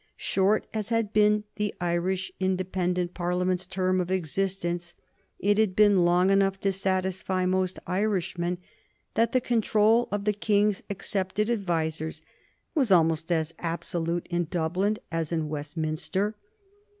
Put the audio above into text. Short as had been the Irish independent Parliament's term of existence, it had been long enough to satisfy most Irishmen that the control of the King's accepted advisers was almost as absolute in Dublin as in Westminster.